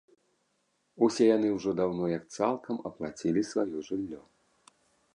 Усе яны ўжо даўно як цалкам аплацілі сваё жыллё.